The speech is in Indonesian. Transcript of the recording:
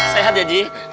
sehat ya ji